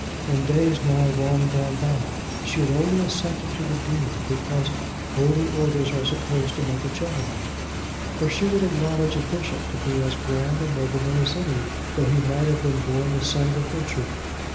In days now long gone by, she had only assented to the Dean, because holy orders are supposed to make a gentleman; for she would acknowledge a bishop to be as grand a nobleman as any, though he might have been born the son of a butcher.